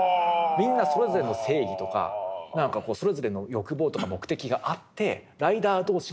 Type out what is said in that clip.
みんなそれぞれの正義とか何かそれぞれの欲望とか目的があってライダー同士が殺し合うっていう。